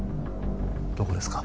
どこですか？